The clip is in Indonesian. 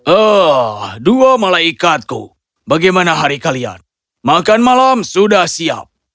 ah dua malaikatku bagaimana hari kalian makan malam sudah siap